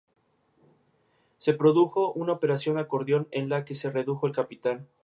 Se produjo una operación acordeón, en la que se redujo el capital.